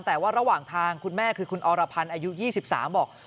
แต่ว่าระหว่างทางคุณแม่คือคุณอรพันธ์อายุ๒๓บอก